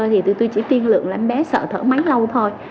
thì tụi tôi chỉ tiên lượng làm bé sợ thở máy lâu thôi